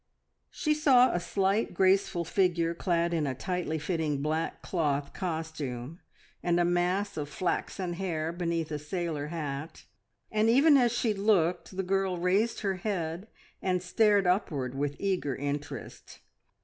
She saw a slight, graceful figure clad in a tightly fitting black cloth costume, and a mass of flaxen hair beneath a sailor hat, and even as she looked the girl raised her head and stared upward with eager interest.